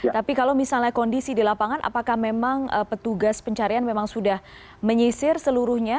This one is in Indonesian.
tapi kalau misalnya kondisi di lapangan apakah memang petugas pencarian memang sudah menyisir seluruhnya